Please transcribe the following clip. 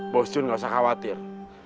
bosun gak usah khawatir